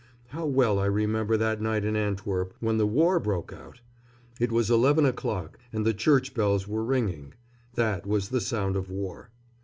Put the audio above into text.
How well I remember that night in Antwerp when the war broke out! It was eleven o'clock and the church bells were ringing. That was the sound of war.